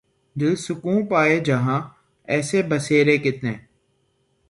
دل سکوں پائے جہاں ایسے بسیرے کتنے